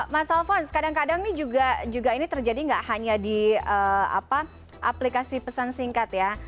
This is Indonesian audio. mas alphonse kadang kadang ini juga ini terjadi nggak hanya di aplikasi pesan singkat ya